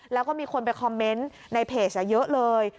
แล้วก็มีคนไปคอมเมนต์ในเพจเยอะเลย